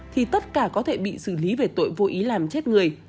thì tất cả có thể bị xử lý về tội vô ý làm chết người